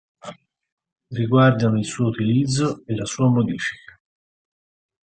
Riguardano il suo utilizzo e la sua modifica.